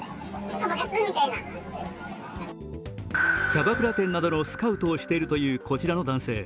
キャバクラ店などのスカウトをしているというこちらの男性。